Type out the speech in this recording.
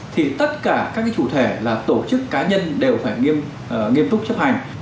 thì tất cả các chủ thể là tổ chức cá nhân đều phải nghiêm túc chấp hành